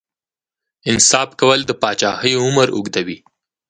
انصاف کول د پاچاهۍ عمر اوږدوي.